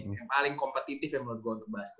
yang paling kompetitif ya menurut gue untuk bahas